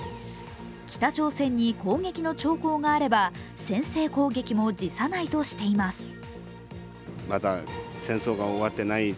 北朝鮮に攻撃の兆候があれば先制攻撃も辞さないとしています。